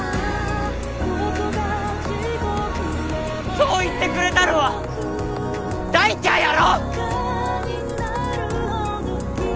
そう言ってくれたのは大ちゃんやろ？